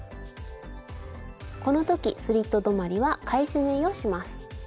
この時スリット止まりは返し縫いをします。